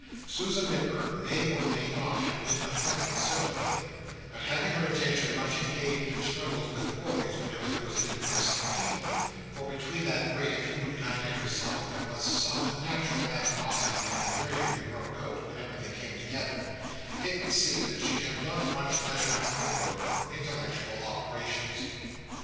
Susan Nipper may or may not have been affected similarly, but having her attention much engaged in struggles with boys, whenever there was any press of people—for, between that grade of human kind and herself, there was some natural animosity that invariably broke out, whenever they came together—it would seem that she had not much leisure on the road for intellectual operations.